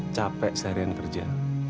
capek seharian kerja